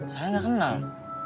saya ga kenal